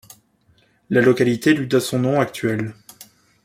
La localité lui doit son nom actuel.